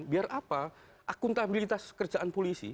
biar apa akuntabilitas kerjaan polisi